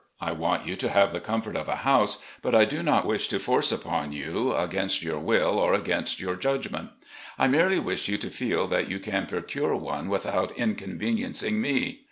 I want you to have the comfort of a house, but I do not wish to force one upon you, against your will or against your judgment. I merely wish you to feel that you can procure one without inconveniencing me.